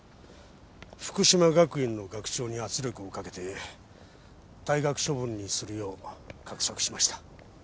福島学院の学長に圧力をかけて退学処分にするよう画策しました。